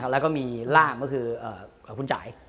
แล้วก็มีร่ามก็คือของคุณจ่าย